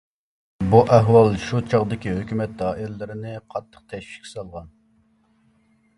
بۇ ئەھۋال شۇ چاغدىكى ھۆكۈمەت دائىرىلىرىنى قاتتىق تەشۋىشكە سالغان.